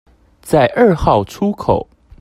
在二號出口